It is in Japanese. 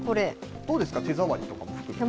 どうですか、手触りとかも含めて。